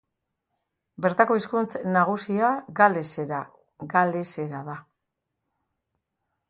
Bertako hizkuntz nagusia galesera da.